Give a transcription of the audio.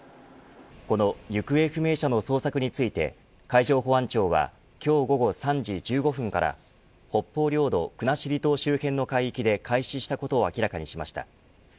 この行方不明者の捜索について海上保安庁は今日午後３時１５分から北方領土、国後島周辺の海域で開始したことを明らかにしました。